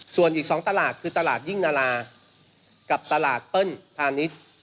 ส่วนอีก๒ตลาดคือตลาดยิ่งนารากับตลาดเปิ้ลพาณิชย์